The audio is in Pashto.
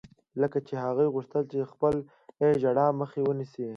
لکه چې هغې غوښتل د خپلې ژړا مخه ونيسي.